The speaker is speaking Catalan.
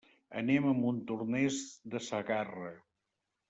Anem a Montornès de Segarra.